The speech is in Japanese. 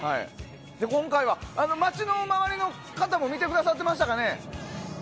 今回は街の周りの方も見てくださってましたかね。